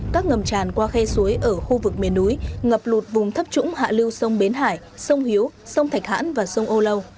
các ngầm tràn qua khe suối ở khu vực miền núi ngập lụt vùng thấp trũng hạ lưu sông bến hải sông hiếu sông thạch hãn và sông âu lâu